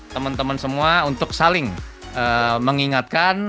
teman teman semua untuk saling mengingatkan